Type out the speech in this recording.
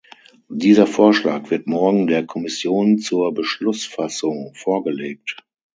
Dieser Vorschlag wird morgen der Kommission zur Beschlussfassung vorgelegt.